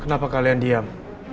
kenapa kalian diam